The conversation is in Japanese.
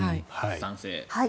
賛成。